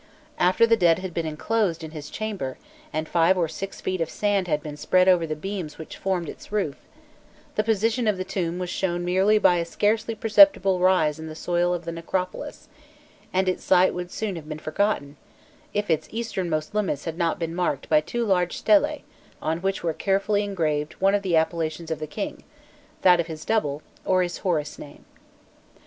After the dead had been enclosed in his chamber, and five or six feet of sand had been spread over the beams which formed its roof, the position of the tomb was shown merely by a scarcely perceptible rise in the soil of the necropolis, and its site would soon have been forgotten, if its easternmost limits had not been marked by two large stelae on which were carefully engraved one of the appellations of the king that of his double, or his Horus name.[*] * For the Horus name of the Pharaohs, see vol. ïi., pp. 23 25.